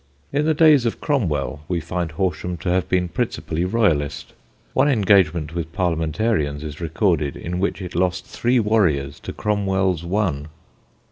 In the days of Cromwell we find Horsham to have been principally Royalist; one engagement with Parliamentarians is recorded in which it lost three warriors to Cromwell's one.